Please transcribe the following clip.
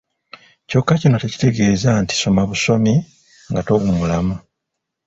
Kyokka kino tekitegeeza nti soma busomi nga towummulamu.